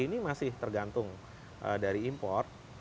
ini masih tergantung dari impor